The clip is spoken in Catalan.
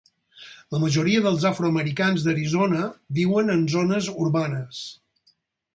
La majoria dels afroamericans d'Arizona viuen en zones urbanes.